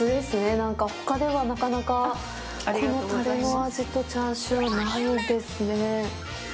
なんか、ほかではなかなかこのタレの味とチャーシューないですね。